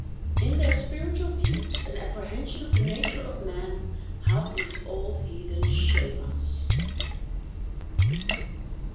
In their spiritual views and apprehension of the nature of man, how these old heathens shame us!